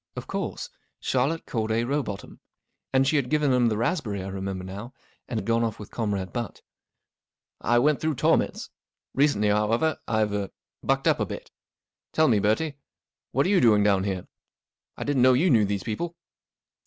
Of course ! Charlotte Corday Row botham. And she had given him the raspberry, I remembered now, and gone off with Comrade Butt. 44 I went through torments. Recently, however, I've—er—bucked up a bit. Tell me, Bertie, what are you doing down here ? I didn't know you knew these people."